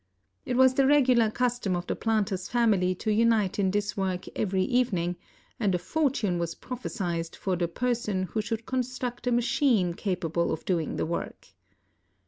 It was the regular custom of the planter's family to unite in this work every evening, and a fortune was prophesied for the person who should construct a machine capable of doing the work.